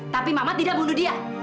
tapi mama tidak bunuh dia